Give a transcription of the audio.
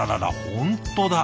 本当だ！